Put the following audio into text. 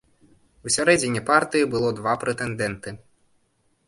У сярэдзіне партыі было два прэтэндэнты.